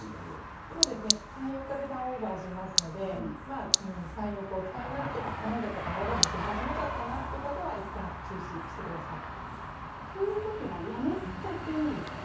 ３、４日でターンオーバーしますので３、４日お使いになって何だか皮がむけちゃったなという方は、いったん中止してみてください。